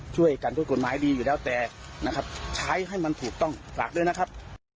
ช่วยกันด้วยกฎหมายดีอยู่แล้วแต่นะครับใช้ให้มันถูกต้องฝากด้วยนะครับ